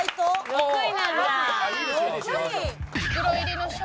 ６位なんだ。